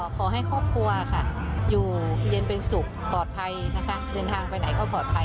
ขอให้ครอบครัวค่ะอยู่เย็นเป็นสุขปลอดภัยนะคะเดินทางไปไหนก็ปลอดภัย